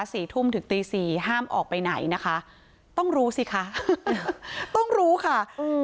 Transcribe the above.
สี่ทุ่มถึงตีสี่ห้ามออกไปไหนนะคะต้องรู้สิคะต้องรู้ค่ะอืม